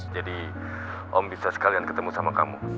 jadi om bisa sekalian ketemu sama kamu